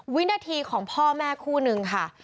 วินาทีของพ่อแม่คู่นึงค่ะ